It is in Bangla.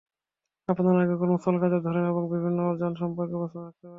আপনার আগের কর্মস্থল, কাজের ধরন এবং বিভিন্ন অর্জন সম্পর্কে প্রশ্ন থাকতে পারে।